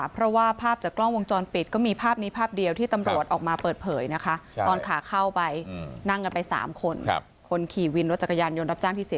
เพราะว่าภาพจากกล้องวงจรปิดก็มีภาพนี้ภาพเดียวที่ตำรวจออกมาเปิดเผยนะคะ